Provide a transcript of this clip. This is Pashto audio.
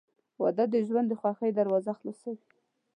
• واده د ژوند د خوښۍ دروازه خلاصوي.